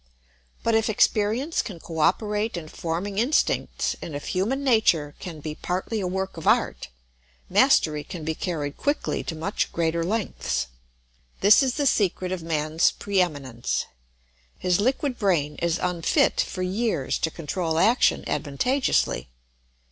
But if experience can co operate in forming instincts, and if human nature can be partly a work of art, mastery can be carried quickly to much greater lengths. This is the secret of man's pre eminence. His liquid brain is unfit for years to control action advantageously.